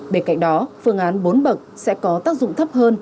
bên cạnh đó phương án bốn bậc sẽ có tác dụng thấp hơn